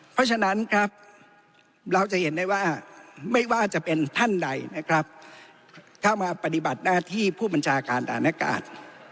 เพราะฉะนั้นครับเราจะเห็นได้ว่าไม่ว่าจะเป็นท่านใดนะครับเข้ามาปฏิบัติหน้าที่ผู้บัญชาการฐานอากาศ